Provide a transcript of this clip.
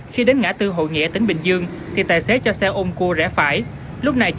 khi đến ngã tư hội nghĩa tỉnh bình dương thì tài xế cho xe ôm cua rẽ phải